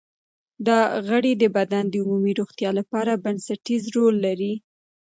دا غړي د بدن د عمومي روغتیا لپاره بنسټیز رول لري.